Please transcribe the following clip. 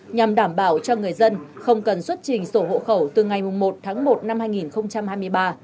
nhằm đảm bảo cho người dân không cần xuất trình sổ hộ khẩu từ ngày một tháng một năm hai nghìn hai mươi ba